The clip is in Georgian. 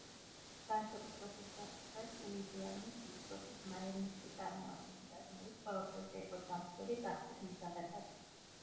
განსაკუთრებულ საფრთხეს უილიამის უმცროსი ძმა, ერნესტი წარმოადგენდა, რომელიც ყველაფერზე იყო წამსვლელი ტახტის მისაღებად.